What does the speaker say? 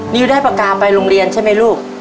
นิวได้ปากกาไปโรงเรียนใช่ไหมลูก